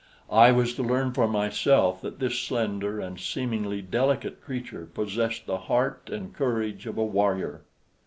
I was to learn for myself that this slender and seemingly delicate creature possessed the heart and courage of a warrior.